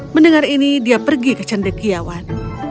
mendengar ini dia pergi ke cendekiawan